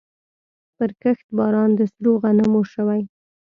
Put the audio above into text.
پرکښت باران د سرو غنمو شوی